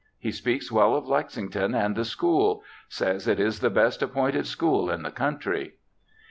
He speaks well of Lexington and the school— says it is the best appointed school in the country.'